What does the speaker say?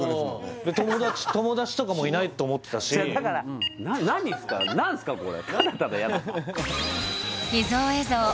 友達とかもいないと思ってたし何すか何すかこれただただ嫌だな